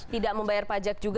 tidak membayar pajak juga